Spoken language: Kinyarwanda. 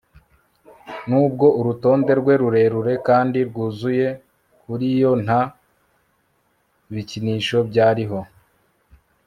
nubwo urutonde rwe rurerure kandi rwuzuye, kuriyo nta bikinisho byariho